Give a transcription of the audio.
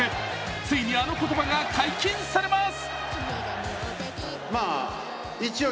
ついに、あの言葉が解禁されます。